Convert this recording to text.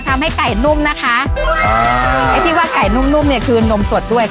ทำให้ไก่นุ่มนะคะอ๋อไอ้ที่ว่าไก่นุ่มนุ่มเนี่ยคือนมสดด้วย